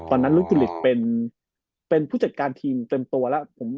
ตอนนั้นลูกกุลิตเป็นผู้จัดการทีมเต็มตัวแล้ว